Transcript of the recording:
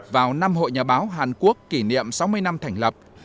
vào năm hội nhà báo hàn quốc kỷ niệm sáu mươi năm thành lập